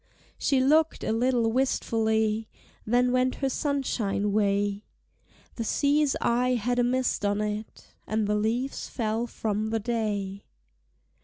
She looked a little wistfully, Then went her sunshine way: The sea's eye had a mist on it, And the leaves fell from the day.